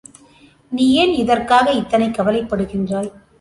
நீ ஏன் இதற்காக இத்தனை கவலைப்படுகின்றாய்?